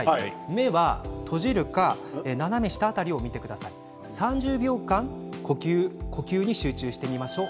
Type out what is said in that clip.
目は閉じるか斜め下辺りを見て３０秒間呼吸に集中してみましょう。